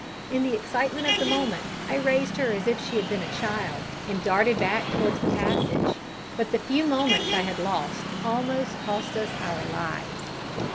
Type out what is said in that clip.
In the excitement of the moment I raised her as if she had been a child, and darted back towards the passage, but the few moments I had lost almost cost us our lives.